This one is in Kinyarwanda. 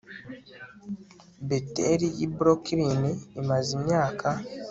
Beteli y i Brooklyn imaze imyaka